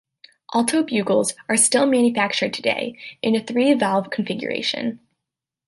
Alto bugles are still manufactured today in a three valve configuration.